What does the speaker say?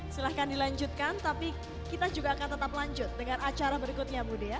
silahkan dilanjutkan tapi kita juga akan tetap lanjut dengan acara berikutnya bu dea